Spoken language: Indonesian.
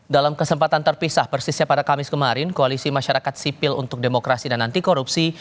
dalam kesempatan terpisah persisnya pada kamis kemarin koalisi masyarakat sipil untuk demokrasi dan anti korupsi